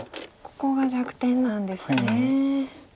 ここが弱点なんですね。